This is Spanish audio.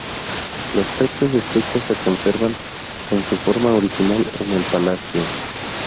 Los techos de estuco se conservan en su forma original en el palacio.